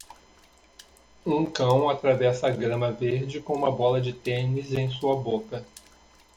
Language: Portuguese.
Um cão atravessa a grama verde com uma bola de tênis em sua boca.